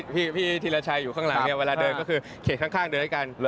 พี่ธีรชัยอยู่ข้างหลังเนี่ยเวลาเดินก็คือเขตข้างเดินด้วยกัน